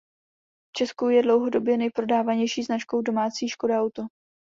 V Česku je dlouhodobě nejprodávanější značkou domácí Škoda Auto.